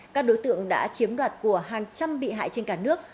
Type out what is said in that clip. các đối tượng đã chiếm đoạt của hàng trăm bị hại trên cả nước